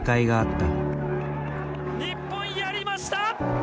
日本、やりました！